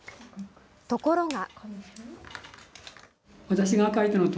ところが。